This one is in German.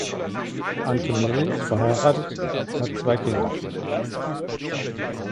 Antonelli ist verheiratet und hat zwei Kinder.